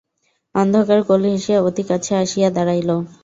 অন্ধকার কোল ঘেঁষিয়া অতি কাছে আসিয়া দাঁড়াইল।